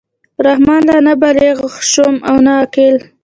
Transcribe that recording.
رحمان لا نه بالِغ شوم او نه عاقل.